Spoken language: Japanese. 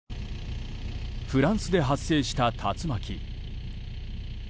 フランスで発生した竜巻。